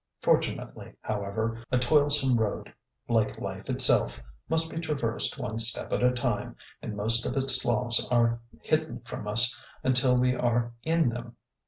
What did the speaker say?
Fortunately, however, a toilsome road— like life itself— must be traversed one step at a time, and most of its sloughs are hidden from us until we are in them.